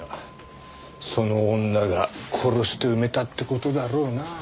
その女が殺して埋めたって事だろうな。